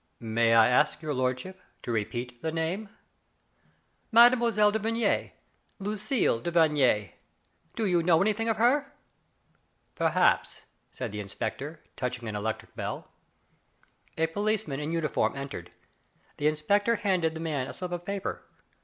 " May I ask your lordship to repeat the name ?"" Mme. de Vigny — Lucille de Vigny. Do you know anything of her ?" Perhaps," said the inspector, touching an electric bell. A policeman in uniform entered. The in spector handed the man a slip of paper.